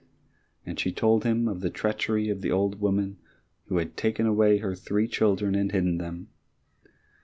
And she told him of the treachery of the old woman who had taken away her three children and hidden them.